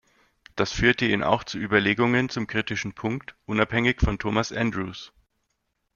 Das führte ihn auch zu Überlegungen zum kritischen Punkt, unabhängig von Thomas Andrews.